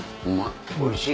おいしい。